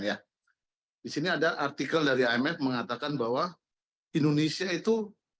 di sini ada artikel dari imf mengatakan bahwa indonesia itu